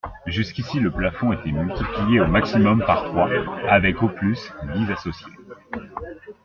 Jusqu’ici, le plafond était multiplié au maximum par trois, avec au plus dix associés.